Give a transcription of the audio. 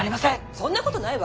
そんなことないわ。